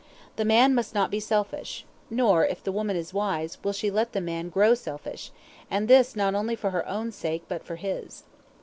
The man must not be selfish; nor, if the woman is wise, will she let the man grow selfish, and this not only for her own sake but for his.